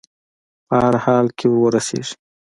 په هر حال کې وررسېږي.